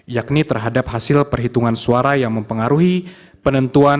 yakni terhadap hasil perhitungan suara yang mempengaruhi penentuan